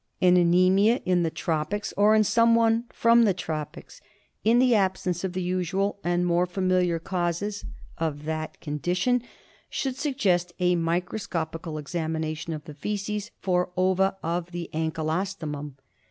An anaemia in the tropics or in someone from the tropics, in the absence of the usual and more familiar causes of that 26 ANKYLOSTOMIASIS : condition, should suggest a microscopical examination of the faeces for ova of the ankylostomum.